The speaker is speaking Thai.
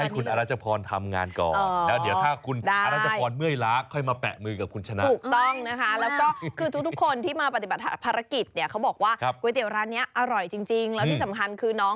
คุณชนะนี่อยากจะไปไหมไปเชียงรายไหมคุณ